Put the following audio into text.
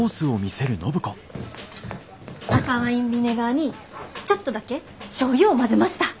赤ワインビネガーにちょっとだけしょうゆを混ぜました！